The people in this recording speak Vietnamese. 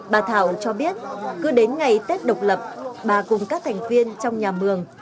bà thảo cho biết cứ đến ngày tết độc lập bà cùng các thành viên trong nhà mường